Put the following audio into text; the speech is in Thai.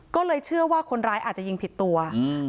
ก็เลยเชื่อว่าคนร้ายอาจจะยิงผิดตัวอืม